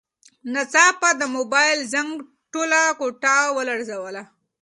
ناڅاپه د موبایل زنګ ټوله کوټه ولړزوله.